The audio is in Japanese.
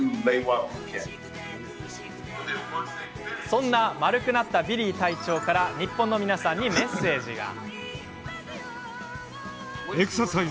そんな丸くなったビリー隊長から日本の皆さんにメッセージが。